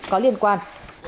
có liên quan